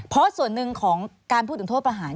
เพราะส่วนหนึ่งของการพูดถึงโทษประหาร